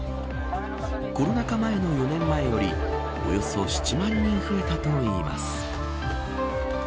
コロナ禍前の４年前よりおよそ７万人増えたといいます。